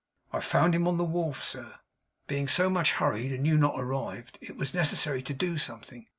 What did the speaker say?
'I found him on the wharf, sir. Being so much hurried, and you not arrived, it was necessary to do something.